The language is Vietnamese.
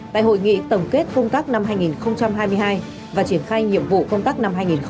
tại hội nghị tổng kết công tác năm hai nghìn hai mươi hai và triển khai nhiệm vụ công tác năm hai nghìn hai mươi bốn